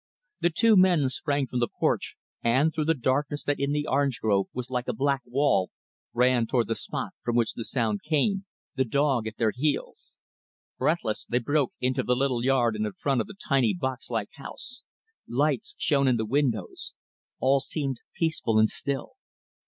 The two men sprang from the porch, and, through the darkness that in the orange grove was like a black wall, ran toward the spot from which the sound came the dog at their heels. Breathless, they broke into the little yard in front of the tiny box like house. Lights shone in the windows. All seemed peaceful and still.